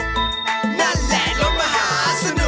นั่นแหละรถมหาสนุก